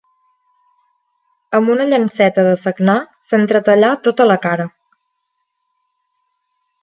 Amb una llanceta de sagnar s'entretallà tota la cara.